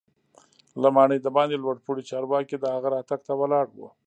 له ماڼۍ دباندې لوړ پوړي چارواکي د هغه راتګ ته ولاړ وو.